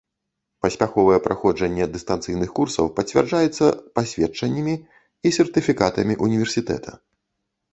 Паспяховае праходжанне дыстанцыйных курсаў пацвярджаецца пасведчаннямі і сертыфікатамі універсітэта.